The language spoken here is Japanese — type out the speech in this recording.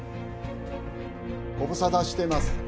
ご無沙汰してます